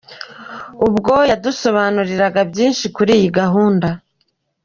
Ubwo yadusobanuriraga byinshi kuri iyi gahunda.